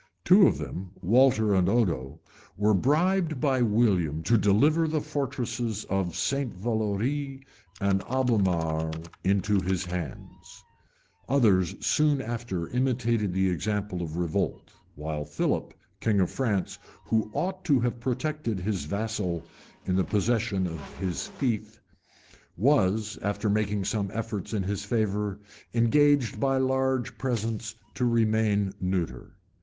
Two of them, Walter and Odo, were bribed by William to deliver the fortresses of St. Valori and Albemarle into his hands: others soon after imitated the example of revolt, while Philip, king of France, who ought to have protected his vassal in the possession of his fief, was, after making some efforts in his favor, engaged by large presents to remain neuter.